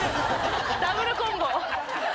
ダブルコンボ。